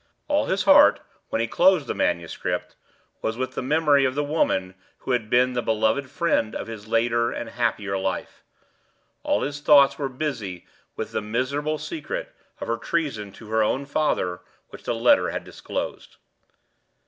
All his heart, when he closed the manuscript, was with the memory of the woman who had been the beloved friend of his later and happier life; all his thoughts were busy with the miserable secret of her treason to her own father which the letter had disclosed.